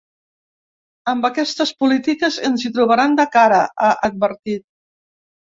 “Amb aquestes polítiques ens hi trobaran de cara”, ha advertit.